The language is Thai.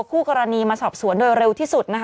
คู่กรณีมาสอบสวนโดยเร็วที่สุดนะคะ